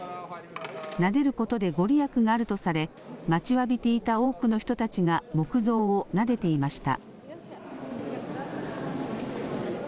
なでることでご利益があるとされ、待ちわびていた多くの人たちが木像をなでていました。